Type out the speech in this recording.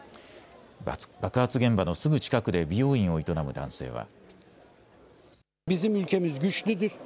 爆発現場のすぐ近くで美容院を営む男性は。